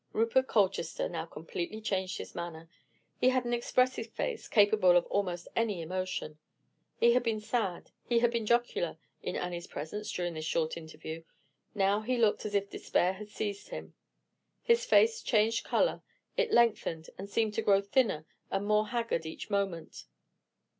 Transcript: Rupert Colchester now completely changed his manner. He had an expressive face, capable of almost any emotion. He had been sad, he had been jocular, in Annie's presence during this short interview. Now he looked as if despair had seized him. His face changed color, it lengthened, and seemed to grow thinner and more haggard each moment.